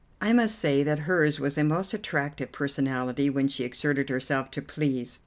I must say that hers was a most attractive personality when she exerted herself to please.